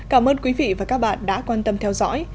cảm ơn quý vị và các bạn đã quan tâm theo dõi